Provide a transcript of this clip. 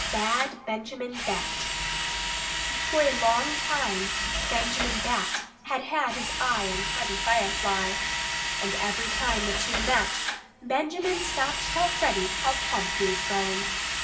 XVII BAD BENJAMIN BAT For a long time Benjamin Bat had had his eye on Freddie Firefly. And every time the two met, Benjamin stopped to tell Freddie how plump he was growing.